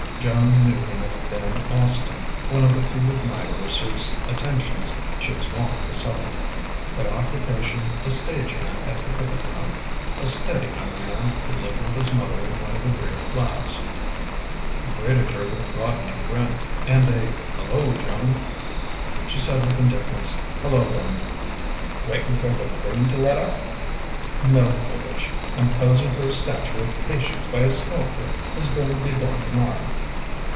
Joan knew him as Ben Austin, one of the few admirers whose attentions she was wont to suffer: by occupation a stage hand at the Hippodrome; a steady young man, who lived with his mother in one of the rear flats. He greeted her with a broadening grin and a "Hello, Joan!" She said with indifference: "Hello, Ben." "Waitin' for the rain to let up?" "No, foolish; I'm posing for a statue of Patience by a sculptor who's going to be born tomorrow."